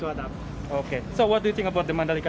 oke jadi apa pendapat anda tentang sirkuit mandalika